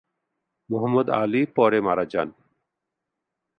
মোহাম্মদ আলী পরে মারা যান।